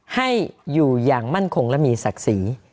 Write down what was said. ให้อยู่อย่างมั่นคงและมีศักดิ์ศรี